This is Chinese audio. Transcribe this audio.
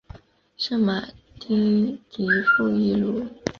圣马丁迪富伊卢。